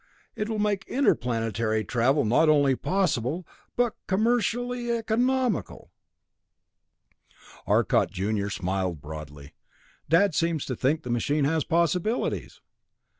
It will make interplanetary travel not only possible, but commercially economical." Arcot junior grinned broadly. "Dad seems to think the machine has possibilities!